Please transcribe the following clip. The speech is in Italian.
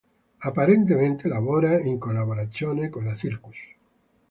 Apparentemente lavora in collaborazione con la Circus.